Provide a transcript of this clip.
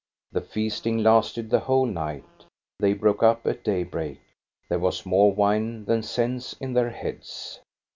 The feasting lasted the whole night. They broke up at daybreak. There was more wine than sense in their heads.